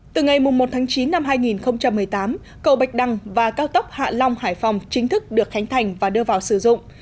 từ ngày một tháng chín năm hai nghìn một mươi tám cầu bạch đăng và cao tốc hạ long hải phòng chính thức được khánh thành và đưa vào sử dụng